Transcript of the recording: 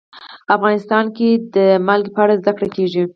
افغانستان کې د نمک په اړه زده کړه کېږي.